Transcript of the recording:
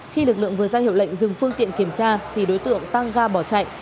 khi lực lượng vừa ra hiệu lệnh dừng phương tiện kiểm tra thì đối tượng tăng ra bỏ chạy